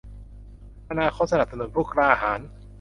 อนาคตสนับสนุนผู้กล้าหาญ